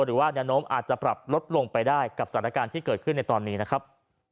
หรือว่าแนวโน้มอาจจะปรับลดลงไปได้กับสถานการณ์ที่เกิดขึ้นในตอนนี้นะครับ